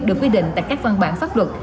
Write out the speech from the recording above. được quy định tại các văn bản pháp luật